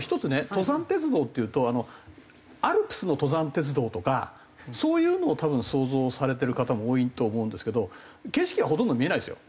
登山鉄道っていうとアルプスの登山鉄道とかそういうのを多分想像されてる方も多いと思うんですけど景色はほとんど見えないですよ